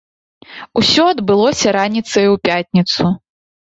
Усё адбылося раніцай у пятніцу.